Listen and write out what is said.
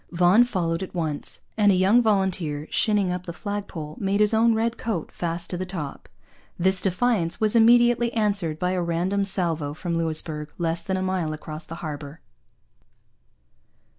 Vaughan followed at once; and a young volunteer, shinning up the flag pole, made his own red coat fast to the top. This defiance was immediately answered by a random salvo from Louisbourg, less than a mile across the harbour.